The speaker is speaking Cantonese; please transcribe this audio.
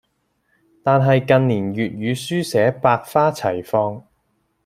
但係近年粵語書寫百花齊放